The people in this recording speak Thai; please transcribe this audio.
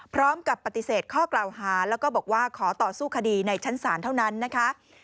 พร้อมกับปฏิเสธข้อกล่าวหาแล้วก็บอกว่าขอต่อสู้คดีในชั้นศาลเท่านั้นนะคะ